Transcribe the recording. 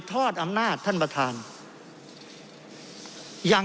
เพราะเรามี๕ชั่วโมงครับท่านนึง